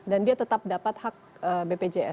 dan dia tetap dapat hak bpjs